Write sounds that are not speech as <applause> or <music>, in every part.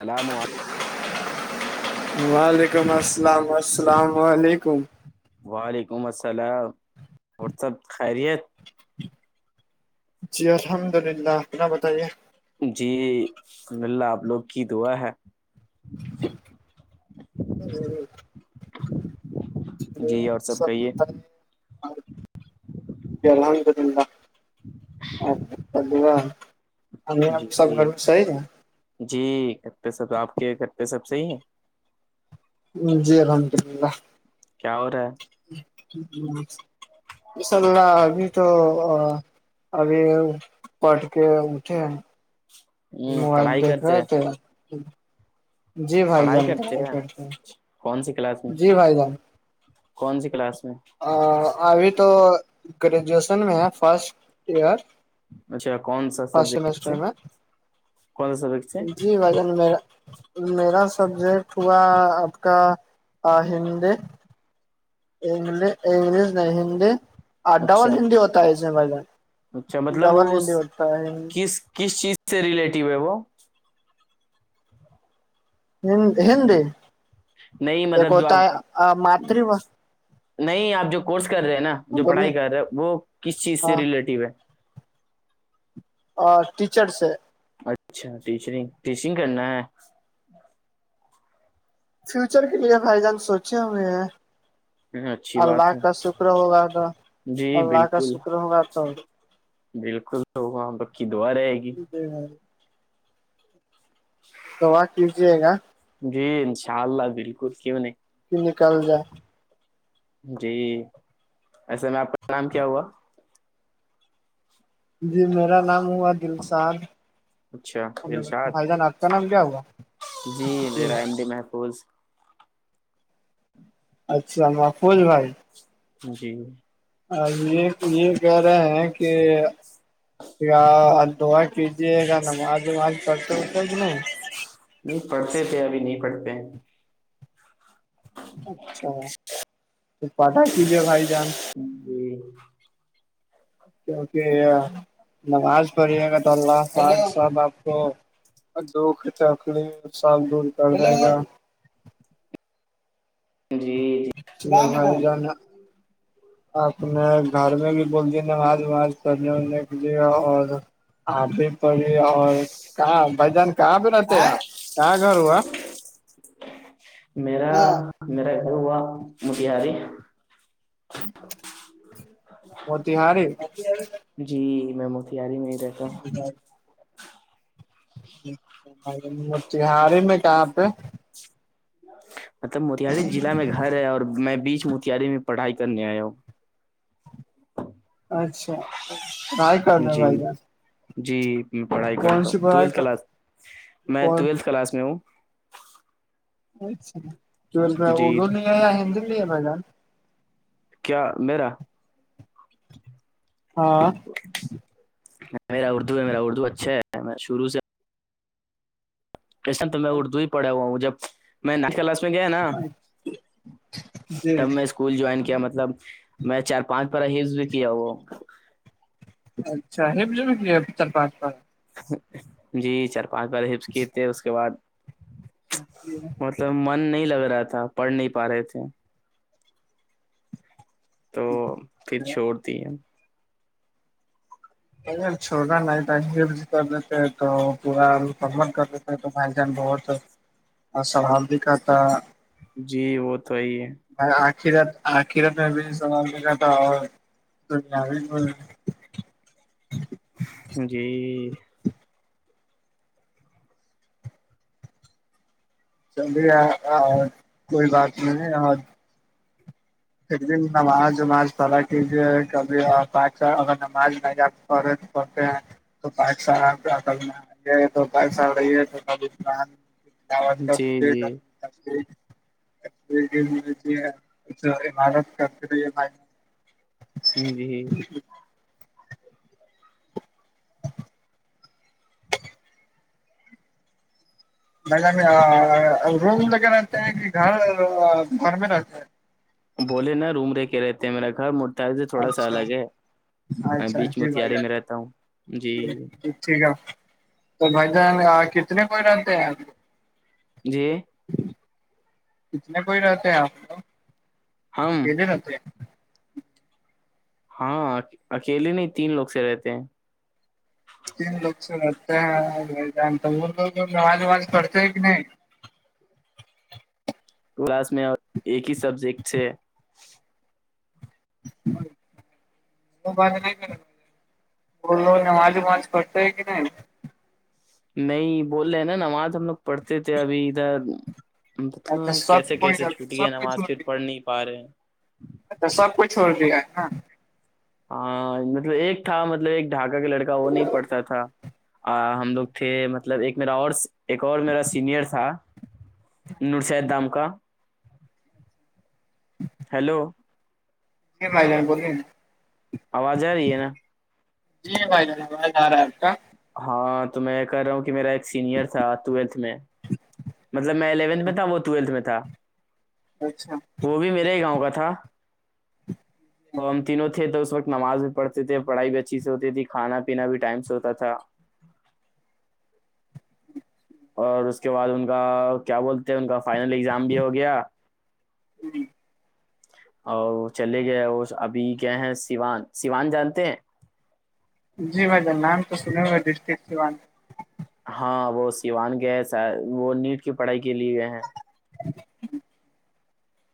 <unintelligible> اللام وعلیکم السلام السلام علیکم وعلیکم السلام اور سب خیریت جی الحمد للہ اپنا بتائیے جی الحم اللہ آپ لوگ کی دعا ہے ہ جی اور سب کہیے جلہ دن <unintelligible> ابا <unintelligible> جی جی جی کتے سب آپ کے کتے سب صحیح ہیں جی الحمد اللہ کیا ہو رہا ہے انشاء اللہ ابھی تو ابھی پٹ کے اھے ہیں ہے ہ موبائل پڑھائی دیکھ کرتے رہے ہیں تھے پڑھائی کرتے ہیں کون سی کلاس میں جی بھائی جان کون سی کلاس میں ابھی تو گریجویشن میں ہے فرسٹ ایئر اچھا کون سا فرسٹ سبجیکٹ سے سیمسٹر میں کون سا سبجیکٹ سے جی بجن میرا میرا سبجیکٹ ہوا آپ کا ہندی گش انگلش نہیں ہندی آ اچھا ڈبل ہندی ہوتا ہے اس میں ب اچھا مطلب ڈبل وہ ہندی اس- ہوتا ہے کس چیز سے سے ریلیٹیو ہے وہ ہ ہندی نہیں ایک مطلب جو ہوتا آپ ہے ماتری و نہیں آپ جو کورس کر رہے ہیں نا جو بولیے پڑھائی کر رہے وہ کس چیز سے ہاں ریلیٹیو ہے اور ٹیچرس ہے اچھا ٹیچرنگ ٹیچنگ کرنا ہے فیوچر کے لیے بھائی جان سوچے ہوئے ہیں اچھی اللہ بات ہے کا شکر ہوگا تو جی اللہ کا بالکل شکر ہوگا تو بالکل تو ہاں بکی دعا رہے گی ج جی ج جچ <inaudible> تو واق کیجیے گا جی انشاء اللہ بالکل کیوں نہیں نکل جائے جی ایسے میں آپ کا نام کیا ہوا جی میرا نام ہوا دلشاد اچھا دلشاد بھائی جان آپ کا نام کیا ہوگا جی میرا بھائی ایم محفوظ اچھا مقوول بھائی جی آ یہ یہ کہہ رہے ہیں کہ ال دعا کیجیے گا نماز وماز پڑتے ہوتے بھی نہیں نہیں پڑھتے تھے ابھی نہیں پڑھتے اچھا تو پتاا کیجے بھائی جان جی کیونکہ نماز پڑھیے گا تو اللہفاظ سب آپ کو دو ک چ آکڑ سال دور کر جائے گا جی جی ج ج آپ نے گھر میں بھی بول دی نماز وماز پڑھنے اڑھنے کے لیے اور آپ بھی پڑی اور کہاں بھائی جان کہاں بھیہ رہتے ار کیا گ آا میرا میرا گھر ہوا موتیہاری م تہاری جی میں موتاری میں ہی رہتا ہوں ج م تہاری میں کہاں پہ مطلب موتاری ضلع میں گھر ہے اور میں بیچ موتاری میں پڑھائی کرنے آیا ہوں اچھا پڑھائی کر رہے جی بھائی جان جی میں پڑھائی کون کرتا ہوں سی پڑھائی ٹویلتھ کر کلاس میں کون ٹویلتھ کلاس میں ہوں اچھا جی اردو لیے یا ہندی لیے ہے میں بھائ جان کیا میرا ہاں میرا اردو ہے میرا اردو اچھا ہے میں شروع سے کیسے تو میں اردو ہی پڑا ہوا ہوں جب میں ن کلاس میں گیا نا جی تب میں اس اسکول جوائن کیا مطلب میں چار پانچ پر ہیز بھی کیا وہ <unintelligible> جی چار پانچ بار حفظ کۓ تھے پھر اس کے بعد <unintelligible> مطلب من نہیں لگ رہا تھا پڑھ نہیں پا رہے تھے تو پھر چھوڑ دی ہیں چھوٹا نہیں کر دیتے تو پورا کر دی تو بھائی جان بہت سحال بھی کرتا جی وہ توی ہے آخرات آخر رت میں بھی سوال مل رہا تھا اور د <unintelligible> جی چلیے کوئی بات نہیں پھر دن نماز وماز پڑلا کیجیے کبھی پاک سال اگر نماز ل جائے پڑتے ہیں تو پاکستال آپ اصل میں آ تو پاک سال رہی ہے تو کبران جی جی <inaudible> عمارت کرتے رہیے جی روم رہتے ہیں کہ گھر گھر میں رہتا ہے بولے نا رومرے کے رہتے ہیں میرا گھر تو ہیں تھوڑا سا اچھا الگ ہے اچھا بیچ جی بھائی متھیاری میں جان رہتا ہوں جی ٹھیک ہے تو بھائی جان کتنے کوئی رہتے ہیں آپ جی کتنے کوئی رہتے ہیں آپ لوگ ہم رہتے ہیں ہاں اکیلے نہیں تین لوگ سے رہتے ہیں تین لوگ سے رہتے ہیں جان وہ لوگ آواز وواز پڑتے ہیں کہ نہیں کلاس میں ایک ہی سبجیکٹ سے وہ ب نہیں کر وہ لوگ نماز وماز پڑتے ہیں کہ نہیں نہیں بول رہے ہیں نا نماز ہم لوگ پڑھتے تھے ابھی ادھر اچھا مطلب کیسے سب کوئی کیسے چھوٹی ہے سب کو نماز چھوڑ پھر دیا پڑھ نہیں پا رہے ہیں اچھا سب کچھ ہو رہیا ہے نا ہاں مطلب ایک تھا مطلب ایک ڈھاکہ کا لڑکا وہ نہیں پڑھتا تھا ہم لوگ تھے مطلب ایک میرا اور ایک اور میرا سینئر تھا نورشید دام کا ہیلو مائ جان بولے آواز آ رہی ہے نا جی بھائی جائی باز آ رہا ہے آپ کا ہاں تو میں یہ کہہ رہا ہوں کہ میرا ایک سینئر تھا ٹویلتھ میں مطلب میں الیونتھ میں تھا وہ ٹویلتھ میں تھا اچھا وہ بھی میرے ہی گاؤں کا تھا اور ہم تینوں تھے تو اس وقت نماز بھی پڑھتے تھے پڑھائی بھی اچھی سے ہوتی تھی کھانا پینا بھی ٹائم سے ہوتا تھا اور اس کے بعد ان کا کیا بولتے ہیں ان کا فائنل اگزام بھی ہو گیا جی جی اور چلے گئے اور ابھی گئے ہیں سیوان سیوان جانتے ہیں جی بھائی نام تو سنے ہو گئے ڈسٹک سیوان ہاں وہ سیوان گئے وہ نیٹ کی پڑھائی کے لیے گئے ہیں <inaudible>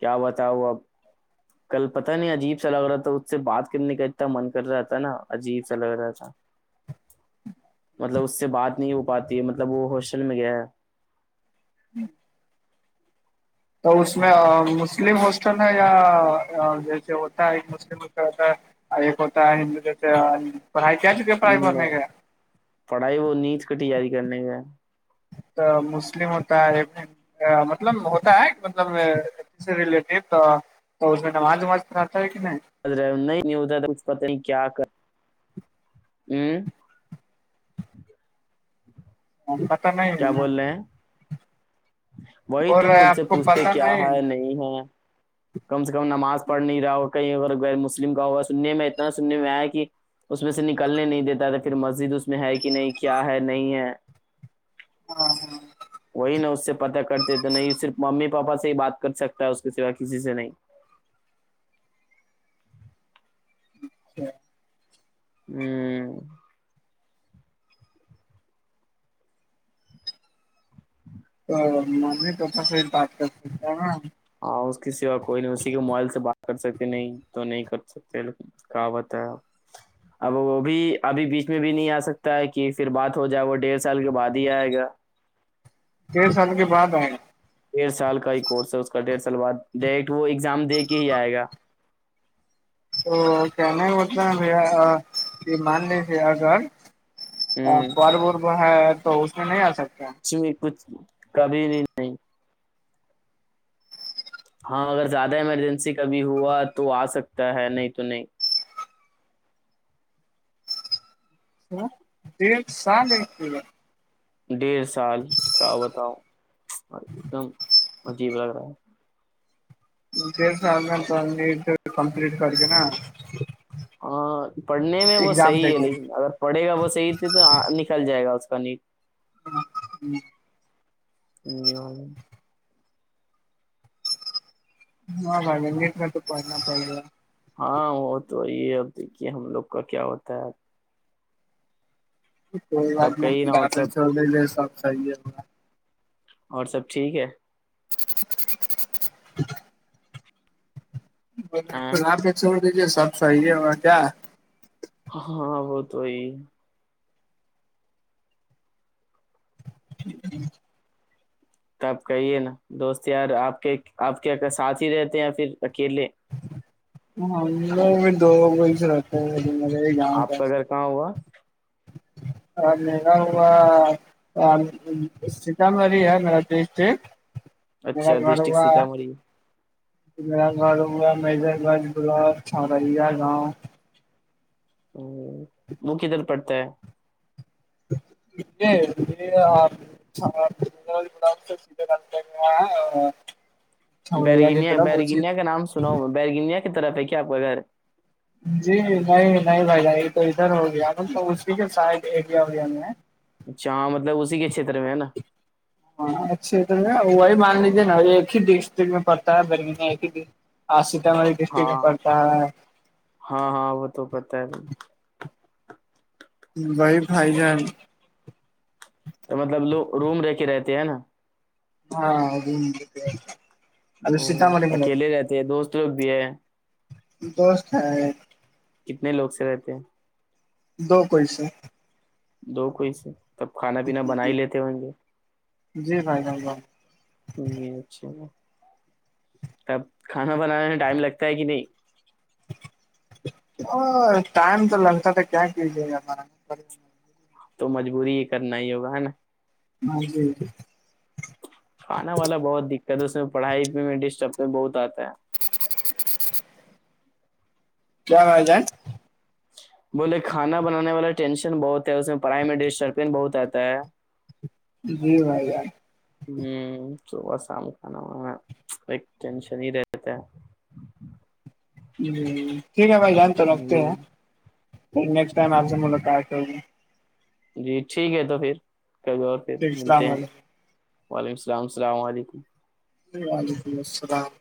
کیا بتاؤ اب کل پتاہ نہیں عجیب سا لگ رہا تھا اس سے بات کرنے کا اتنا من کر رہا تھا نا عجیب سا لگ رہا تھا چ <inaudible> ہ <inaudible> مطلب اس سے بات نہیں ہو پاتی ہے مطلب وہ ہاسٹل میں گیا ہے ہوں <inaudible> تو اس میں مسلم ہسٹل ہے یا جیسے ہوتا ہے ایک مسلم ہسٹل ہوتا ہے ایک ہوتا ہے ہندو پڑھائی کیا لی پڑھائی بنے ہے کا پڑھائی وہ نیچ کا تیاری کرنے کا تو مسلم ہوتا ہےے مطلب ہوتا ہے مطلب سے ریلیٹو تو اس میں نماز وماز پ آتا ہے کہ نہیں رہھ پت نہیں کیا کر پت نہیں ہے کیا نا بول رہے ہیں وہی بول تو رہے ان سے آپ کو پوچھتے پتا کیا ہے نہیں ہے کم سے کم نماز پڑھ نہیں رہا ہو کہیں اگر غیر مسلم کا ہوگا سننے میں اتنا سننے میں آیا کہ اس میں سے نکلنے نہیں دیتا تھا پھر مسجد اس میں ہے کہ نہیں کیا ہے نہیں ہے ہاں ہاں وہی ن اس سے پتا کرتے تو نہیں صرف ممی پاپا سے ہی بات کر سکتا ہے اس کے سوا کسی سے نہیں اچھ <inaudible> ہی <unintelligible> ہوں <unintelligible> تو نے توپا ست بات کرتے کیا ہاں اس کی سیا کوئی نہیں اسی کے موبائل سے بات کر سکتے نہیں تو نہیں کر سکتے کہاوت ہے اب وہ بھی ابھی بیچ میں بھی نہیں آ سکتا ہے کہ پھر بات ہو جائے وہ ڈیڑھ سال کے بعد ہی آئے گا ڈیھ سال کے بعد آئے ڈیڑھ سال کا ہی کورس ہے اس کا ڈیڑھ سال بعد ڈائریکٹ وہ ایگزام دے کے ہی آئے گا تو کیانے ہوتنا بھیا یہ مان لی بھیا گھر ہوں تو اس میں نہیں آ سکتا کچ بھی کچھ کبھی بھی نہیں ہاں اگر زیادہ ایمرجنسی کا بھی ہوا تو آ سکتا ہے نہیں تو نہیں ہ دڑ سال ایکتی گا <unintelligible> ڈیڑھ سال کیا بتاؤ ایک دم عجیب لگ رہا ہے ڈیڑھ سال میں کمپلیٹ کر کے نا پڑھنے میں وہ ایگزام صحیح دے ہے کے لیکن اگر پڑھے گا وہ صحیح ت تو نکل جائے گا اس کا نیٹ ہ ہ <inaudible> جی <unintelligible> ہاں بھائی نیٹ کا تو پڑھنا پڑےگا ہاں وہ تو وہی ہے اب دیکھیے ہم لوگ کا کیا ہوتا ہے کوئی بات تب کہیں نہ ہو سب نہیں جو سب صحیح ہے اور سب ٹھیک ہے <inaudible> ہاں یہ چھوڑ دیجیے سب صحیح ہے اور کیا ہاںاں وہ تو وہی ٹھیک ہے تو آپ کہیے نا دوست یار آپ کے آپ کے ساتھ ہی رہتے ہیں یا پھر اکیلے ہاں دو سے رہتا گاؤں آپ کا گھر کہاں ہوا اور ما ہوا سیتامڑھی ہے میرا ڈسٹک میرا اچھا ڈسٹرکٹ گھرا ہے سیتامڑھی میرا گھر ہوا مر گنج بلاک چھڑیا گاؤں بک دھر پڑتا ہے ج آ سھے بیرگینیا بیرگینیا کا نام سنا ہوں میں بیرگنیا کی طرف ہے کیا آپ کا گھر جی نہیں نہیں بھگائی یہ تو ادھر ہو گیا مطب اسی کے سائڈ ایریا ہویا ہم مطلب اسی کے چھیتر میں ہے نا ہاں اچھی وہی مان لیجیے نا ایک ہی ڈسٹرکٹ میں پڑتا ہے برگ ایک ہی ڈسٹ ہاں سیتامڑھی ڈسٹرکٹ ہاں میں پڑتا ہے ہاں ہاں وہ تو پتا ہے ب بھائی بھائی جان تو مطلب لو روم رہ کے رہتے ہیں نا ہاں وہ سیتامڈ میں اکیلے رہتے دوست بھی ہے دوست ہے کتنے لوگ سے رہتے ہیں دو پیسے دو کوئی سے تب کھانا پینا بنا ہی لیتے ہوں گے جی بھائی اچھا اب کھانا بنانے میں ٹائم لگتا ہے کہ نہیں او ٹم تو لگتا تھا کیا کییے گارا تو مجبوری ہی کرنا ہی ہوگا ہے نا ہاں جی جی کانا والا بہت دقت ہے اس میں پڑھائی ڈسٹرب بہت آتا ہے کیا رہ جائے بولے کھانا بنانے والا ٹینشن بہت ہے اس میں پڑھائی میں ڈسٹربین بہت آتا ہے جی بھائی ج ہ صبح شام کھانا وانا کو ٹینشن ہی رہتا ہے ہ ٹھیک ہے بھائی جان تو نکتی ہے نیکسٹ ٹائم آ مل کا کرے جی ٹھیک ہے تو پھر ک اور پھر ٹھیک ملتے السلام ہیں علیکم وعلیکم السلامسلام علیکم وعلیکم السلام